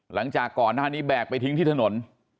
หลังจากก่อนหน้านี้แบกไปทิ้งที่ถนน